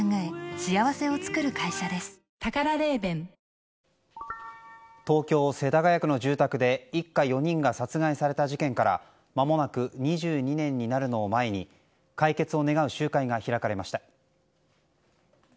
東京・世田谷区の住宅で一家４人が殺害された事件から間もなく２２年になるのを前に解決を願う集会が開かれました。